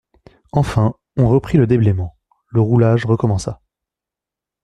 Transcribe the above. Enfin, on reprit le déblaiement, le roulage recommença.